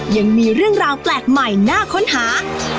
ยังมีเรื่องราวแปลกใหม่น่าค้นหา